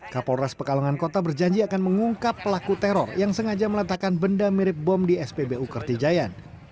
kapolres pekalongan kota berjanji akan mengungkap pelaku teror yang sengaja meletakkan benda mirip bom di spbu kertijayan